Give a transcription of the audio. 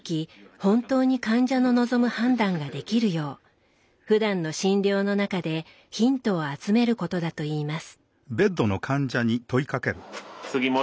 本当に患者の望む判断ができるようふだんの診療の中でヒントを集めることだといいます。